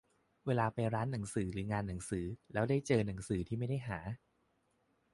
เวลาไปร้านหนังสือหรืองานหนังสือแล้วได้เจอหนังสือที่ไม่ได้หา